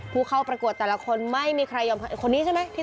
ผู้เข้าประกวดแต่ละคนไม่มีใครยอมใครคนนี้ใช่ไหม